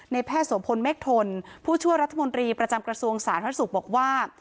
แพทย์โสพลเมฆทนผู้ช่วยรัฐมนตรีประจำกระทรวงสาธารณสุขบอกว่า